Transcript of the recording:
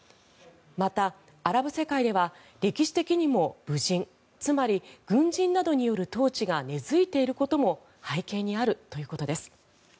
またアラブ世界では歴史的にも武人つまり軍人などによる統治が根付いていることも背景にあるということです。